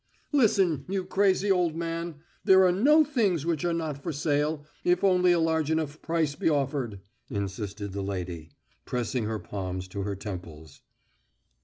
"Listen, you crazy old man!... There are no things which are not for sale, if only a large enough price be offered," insisted the lady, pressing her palms to her temples.